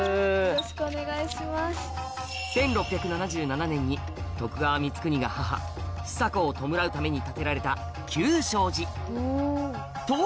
１６７７年に徳川光圀が母久子を弔うために建てられた久昌寺と！